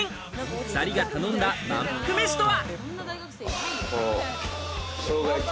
２人が頼んだまんぷく飯とは？